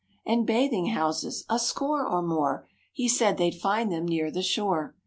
1 Pi And bathing houses, a score or more. He said they'd find them near the shore.